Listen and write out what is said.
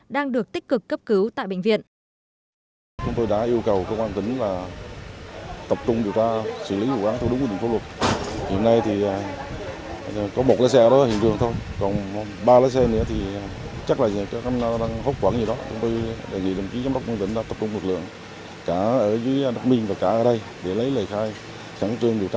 đang được tích cực cấp cứu tại bệnh viện